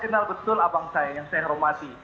kenal betul abang saya yang saya hormati